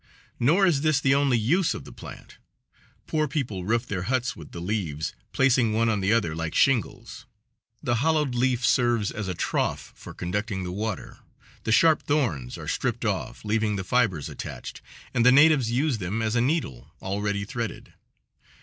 Nor is this the only use of the plant. Poor people roof their huts with the leaves, placing one on the other like shingles. The hollowed leaf serves as a trough for conducting the water, The sharp thorns are stripped off, leaving the fibers attached, and the natives use them as a needle, already threaded.